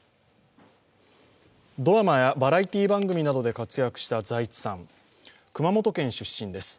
ドラマやバラエティー番組などで活躍した財津さん、熊本県出身です。